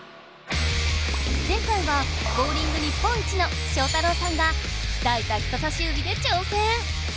前回はボウリング日本一の昭太朗さんがきたえた人さし指で挑戦。